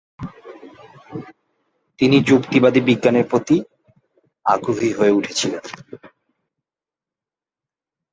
তিনি যুক্তিবাদী বিজ্ঞানের প্রতি আগ্রহী হয়ে উঠেছিলেন।